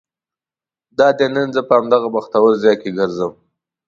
دادی نن زه په همدغه بختور ځای کې ګرځم.